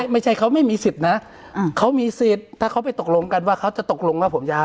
ไม่ใช่เขาไม่มีสิทธิ์นะเขามีสิทธิ์ถ้าเขาไปตกลงกันว่าเขาจะตกลงว่าผมยา